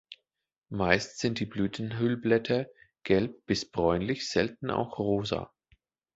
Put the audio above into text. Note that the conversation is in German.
Meist sind die Blütenhüllblätter gelb bis bräunlich, selten auch rosa.